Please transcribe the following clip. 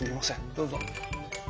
どうぞ。